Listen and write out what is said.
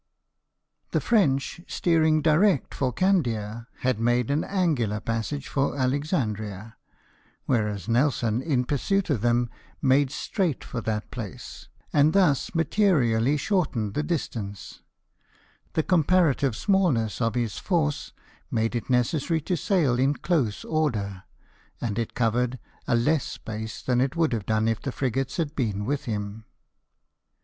The French, steering direct for Candia, had made an angular passage for Alexandria ; whereas Nelson in pursuit of them made straight for that place, and thus materially shortened the distance. The com parative smallness of his force made it necessary to sail in close order, and it covered a less space than it would have done if the frigates had been with him. 136 LIFE OF NELSON.